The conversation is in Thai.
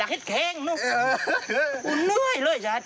กูกดรับยังไว้เลย